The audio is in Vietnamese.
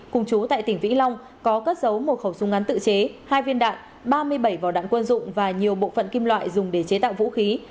cùng chú tại tỉnh vĩnh long có cất giấu một khẩu súng ngắn tự chế hai viên đạn ba mươi bảy vỏ đạn quân dụng và nhiều bộ phận kim loại dùng để chế tạo vũ khí